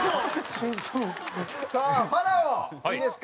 さあファラオいいですか？